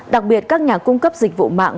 đặc biệt các nhà cung cấp dịch vụ mạng